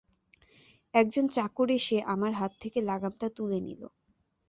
একজন চাকর এসে আমার হাত থেকে লাগামটা তুলে নিল।